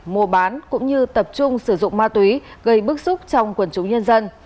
mua bán cũng như tập trung sử dụng ma túy gây bức xúc trong quần chúng nhân dân